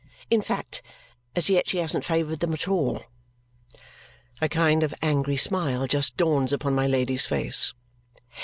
In fact, as yet she hasn't favoured them at all." A kind of angry smile just dawns upon my Lady's face.